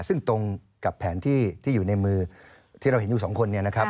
ซึ่งตรงกับแผนที่อยู่ในมือที่เราเห็นทุกคน